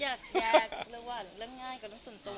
ใช่อย่านัทอยากแยกเรื่องง่ายกับเรื่องส่วนตัว